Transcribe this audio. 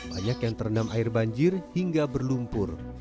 banyak yang terendam air banjir hingga berlumpur